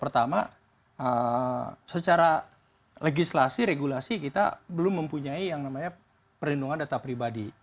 pertama secara legislasi regulasi kita belum mempunyai yang namanya perlindungan data pribadi